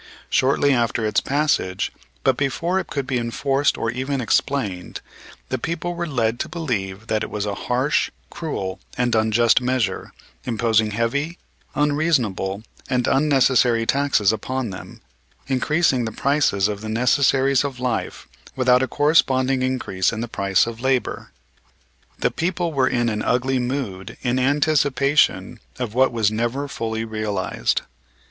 Shortly after its passage, but before it could be enforced or even explained, the people were led to believe that it was a harsh, cruel, and unjust measure, imposing heavy, unreasonable, and unnecessary taxes upon them, increasing the prices of the necessaries of life without a corresponding increase in the price of labor. The people were in an ugly mood in anticipation of what was never fully realized.